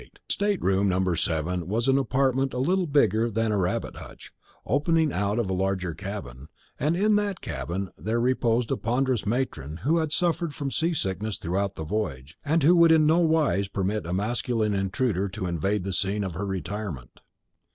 The state room number 7 was an apartment a little bigger than a rabbit hutch, opening out of a larger cabin, and in that cabin there reposed a ponderous matron who had suffered from sea sickness throughout the voyage, and who could in no wise permit a masculine intruder to invade the scene of her retirement.